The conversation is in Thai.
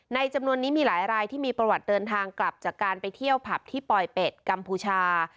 จำนวนนี้มีหลายรายที่มีประวัติเดินทางกลับจากการไปเที่ยวผับที่ปลอยเป็ดกัมพูชา